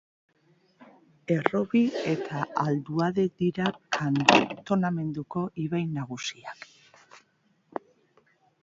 Errobi eta Aldude dira kantonamenduko ibai nagusiak.